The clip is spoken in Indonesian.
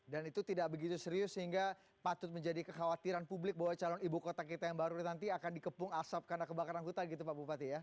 dan itu tidak begitu serius sehingga patut menjadi kekhawatiran publik bahwa calon ibu kota kita yang baru nanti akan dikepung asap karena kebakaran hutan gitu pak bupati ya